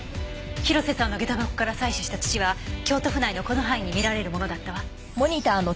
広瀬さんの下駄箱から採取した土は京都府内のこの範囲に見られるものだったわ。